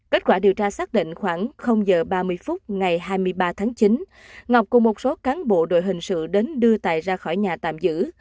kết quả điều tra xác định khoảng giờ ba mươi phút ngày hai mươi ba tháng chín ngọc cùng một số cán bộ đội hình sự đến đưa tài ra khỏi nhà tạm giữ